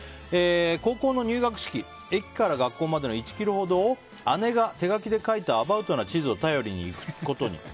高校の入学式、駅から学校までの１ｋｍほどを姉が手書きで書いたアバウトな地図を頼りに行くことに。